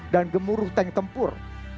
dan gemuruh tank tempur